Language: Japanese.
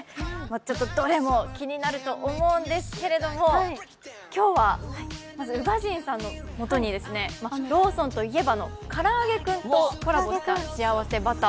ちょっとどれも気になると思うんですけど今日はまず宇賀神さんのもとにローソンといえばのからあげクンとコラボしたしあわせバタ。